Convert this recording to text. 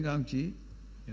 các bộ chính phủ